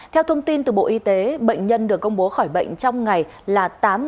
theo thông tin từ bộ y tế bệnh nhân được công bố khỏi bệnh trong ngày là tám tám trăm một mươi ba